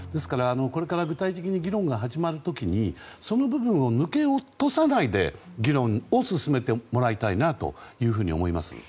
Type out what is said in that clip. これから具体的に議論が始まる時に、その部分を抜け落とさないで議論を進めてもらいたいと思いますね。